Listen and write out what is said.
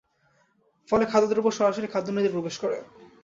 ফলে খাদ্যদ্রব্য সরাসরি খাদ্যনালীতে প্রবেশ করে।